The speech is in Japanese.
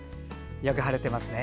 よく晴れていますね。